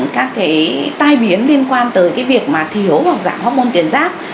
các cái tai biến liên quan tới cái việc mà thiếu hoặc giảm hormôn tuyến giáp